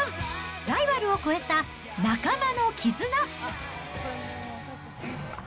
ライバルを超えた仲間の絆。